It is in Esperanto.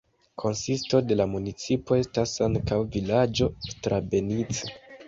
Konsisto de la municipo estas ankaŭ vilaĝo Strabenice.